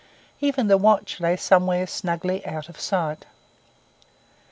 Even the watch lay somewhere snugly out of sight.